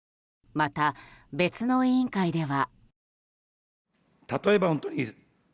また、別の委員会では。